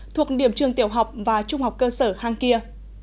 thuộc điểm trường tiểu học và trung học cơ sở hàng kia